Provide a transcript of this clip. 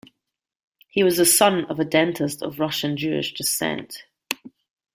He was the son of a dentist of Russian-Jewish descent.